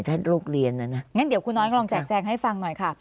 ถ้าลูกเรียนนะนะงั้นเดี๋ยวครูน้อยก็ลองแจกแจงให้ฟังหน่อยค่ะ